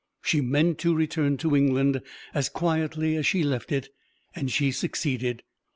She meant to return to England as quietly as she left it; and she succeeded.